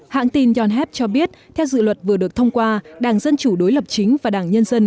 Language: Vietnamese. hãng tin yonhap cho biết theo dự luật vừa được thông qua đảng dân chủ đối lập chính và đảng nhân dân